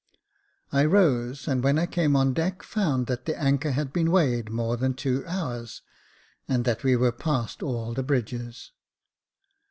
I rose, and when I came on deck, found that the anchor had been weighed more than two hours, and that we were past all the bridges.